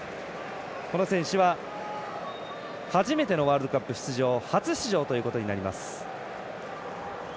この選手は初めてのワールドカップ初出場ということになります。